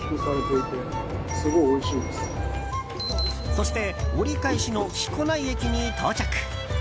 そして、折り返しの木古内駅に到着。